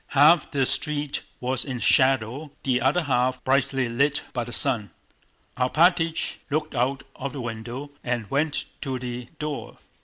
Half the street was in shadow, the other half brightly lit by the sun. Alpátych looked out of the window and went to the door.